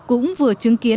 cũng vừa chứng kiến